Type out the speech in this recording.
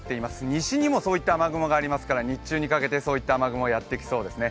西にもそういった雨雲ありますから日中にかけてこういう雨雲やってきそうですね。